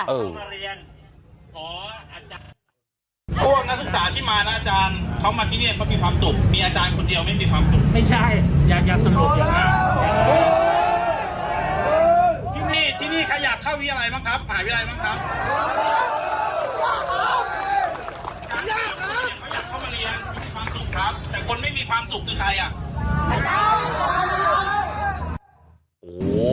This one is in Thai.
เออ